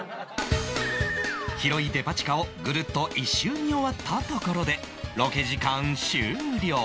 広いデパ地下をぐるっと１周見終わったところでロケ時間終了